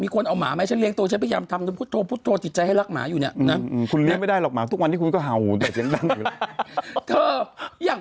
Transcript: คุณเลี้ยงไม่ได้หลอกหมายของมาทุกวันที่คุณหาโหดอย่างดัง